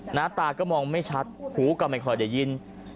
หน้าตาก็มองไม่ชัดหูก็ไม่ค่อยได้ยิน